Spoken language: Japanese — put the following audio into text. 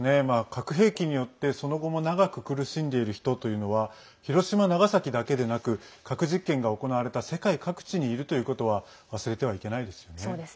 核兵器によって、その後も長く苦しんでいる人というのは広島、長崎だけでなく核実験が行われた世界各地にいるということは忘れてはいけないですよね。